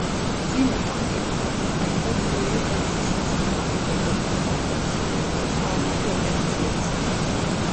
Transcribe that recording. მძიმე ტანკები გამოიყენება ძლიერი დაცვის საწინააღმდეგოდ და და საერთო საომარი ოპერაციებისათვის.